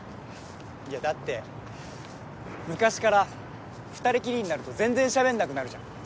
いやだって昔から２人きりになると全然しゃべんなくなるじゃん